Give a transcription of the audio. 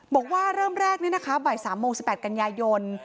บอกว่าเริ่มแรกนี่นะคะบ่าย๓โมง๑๘กันยายน